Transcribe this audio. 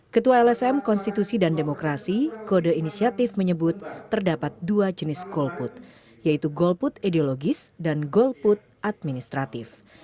ketua lsm konstitusi dan demokrasi kode inisiatif menyebut terdapat dua jenis golput yaitu golput ideologis dan golput administratif